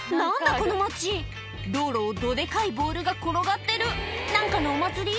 この町道路をどデカいボールが転がってる何かのお祭り？